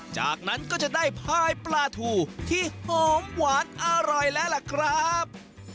จากนั้นก็จะได้พายปลาทูที่หอมหวานอร่อยแล้วล่ะครับ